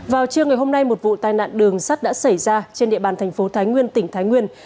vào chiều ngày hôm nay một vụ tai nạn đường sắt đã xảy ra trên địa bàn thành phố thái nguyên tỉnh thái nguyên